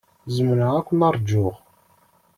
Zemreɣ ad ken-ṛjuɣ.